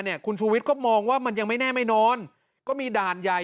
เนี่ยคุณชูวิตก็มองว่ามันยังไม่แน่ไม่นอนก็มีด่านยาย